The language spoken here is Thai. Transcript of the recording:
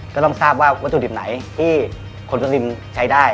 ก็ต้องทราบว่าวัตถุดิบไหนที่คนสริมใช้ได้